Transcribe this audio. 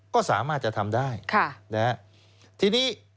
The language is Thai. ก็สามารถจะทำได้